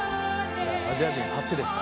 アジア人初ですね。